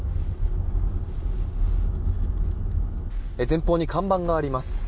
前方に看板があります。